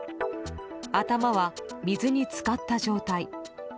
頭は水に浸かった状態。